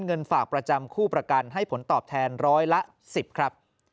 เงินฝากประจำคู่ประกันให้ผลตอบแทนร้อยละ๑๐ครับ